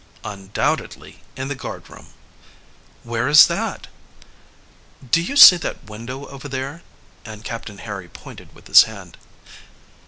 "Undoubtedly in the guardroom." "Where is that?" "Do you see that window over there?" and Captain Harry pointed with his hand.